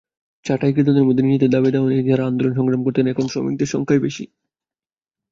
ছাঁটাইকৃতদের মধ্যে নিজেদের দাবি-দাওয়া নিয়ে যাঁরা আন্দোলন-সংগ্রাম করতেন, এমন শ্রমিকদের সংখ্যাই বেশি।